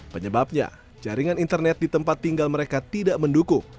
penyebabnya jaringan internet di tempat tinggal mereka tidak mendukung